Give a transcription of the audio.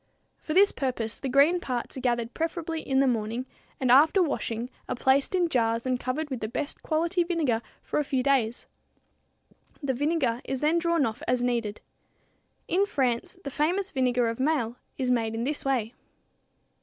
For this purpose, the green parts are gathered preferably in the morning and after washing are placed in jars and covered with the best quality vinegar for a few days. The vinegar is then drawn off as needed. In France, the famous vinegar of Maille is made in this way.